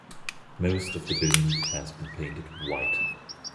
Most of the building has been painted white.